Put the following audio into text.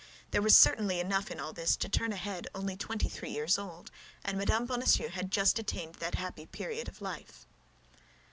There was certainly enough in all this to turn a head only twenty three years old, and Mme. Bonacieux had just attained that happy period of life.